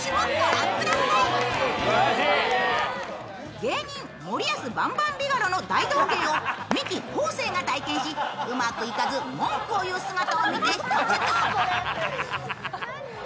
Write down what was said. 芸人、もりやすバンバンビガロの大道芸をミキ・昴生が体験しうまくいかず文句を言う姿を見て、ひと言。